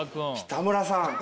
北村さん！